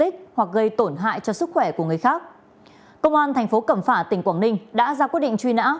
thành thành phố cẩm phả tỉnh quảng ninh